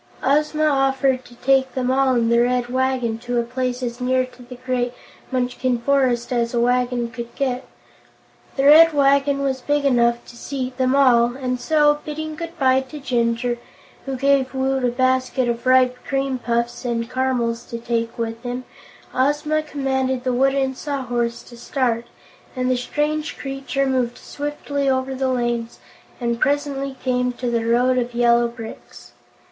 Ozma offered to take them all in the Red Wagon to a place as near to the great Munchkin forest as a wagon could get. The Red Wagon was big enough to seat them all, and so, bidding good bye to Jinjur, who gave Woot a basket of ripe cream puffs and caramels to take with him, Ozma commanded the Wooden Sawhorse to start, and the strange creature moved swiftly over the lanes and presently came to the Road of Yellow Bricks.